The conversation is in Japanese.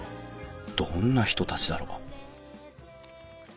どんな人たちだろう？